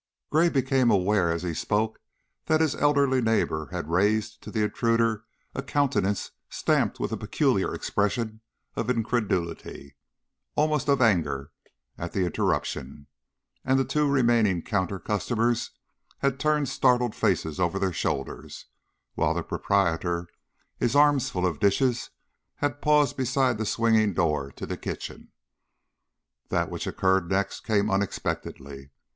Gray became aware as he spoke that his elderly neighbor had raised to the intruder a countenance stamped with a peculiar expression of incredulity, almost of anger, at the interruption, and that the two remaining counter customers had turned startled faces over their shoulders, while the proprietor, his arms full of dishes, had paused beside the swinging door to the kitchen. That which occurred next came unexpectedly.